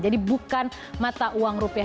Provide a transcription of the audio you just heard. jadi bukan mata uang rupiah